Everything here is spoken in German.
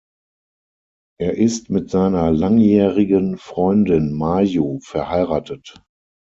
Er ist mit seiner langjährigen Freundin Mayu verheiratet.